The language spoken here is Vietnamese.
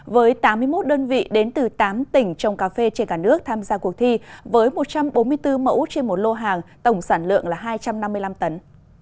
với tám mươi một đơn vị đến từ tám tỉnh trong cà phê trên cả nước tham gia cuộc thi với một trăm bốn mươi bốn mẫu trên một lô hàng tổng sản lượng là hai trăm năm mươi năm tấn